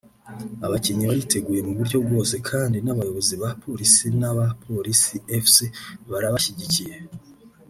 abakinnyi bariteguye mu buryo bwose kandi n’abayobozi ba Police n’aba Police Fc barabashyigikiye"